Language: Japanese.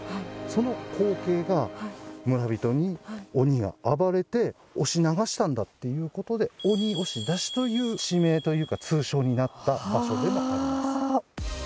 その光景が村人にっていうことで鬼押出しという地名というか通称になった場所でもあります。